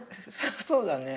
そうだね。